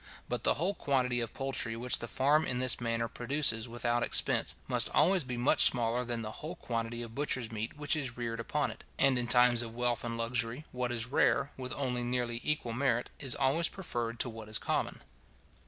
But the whole quantity of poultry which the farm in this manner produces without expense, must always be much smaller than the whole quantity of butcher's meat which is reared upon it; and in times of wealth and luxury, what is rare, with only nearly equal merit, is always preferred to what is common.